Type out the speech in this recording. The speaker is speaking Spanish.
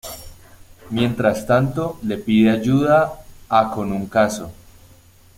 Mientras tanto, le pide ayuda a con un caso.